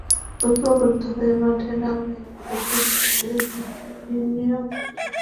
ঐক্যবদ্ধ হয়ে মাঠে নামায় আবদুল লতিফ নির্বাচনী মাঠ সরগরম হয়ে ওঠে।